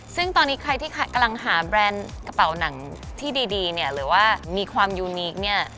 ซึ่งตอนนี้ใครที่กำลังหาแบรนด์กระเป๋าหนังที่ดีเนี่ยหรือว่ามีความยูนิคเนี่ย